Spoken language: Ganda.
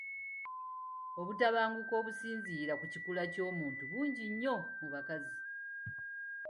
Obutabanguko obusinziira ku kikula ky'omuntu bungi nnyo mu bakazi.